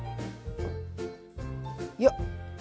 よっ。